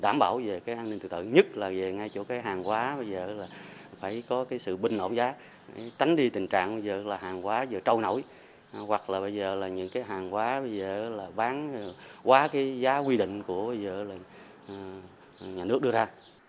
cảm bảo về cái an ninh tự tội nhất là về ngay chỗ cái hàng hóa bây giờ là phải có cái sự binh ổn giá tránh đi tình trạng bây giờ là hàng hóa trâu nổi hoặc là bây giờ là những cái hàng hóa bây giờ là bán quá cái giá quy định của bây giờ là nhà nước đưa ra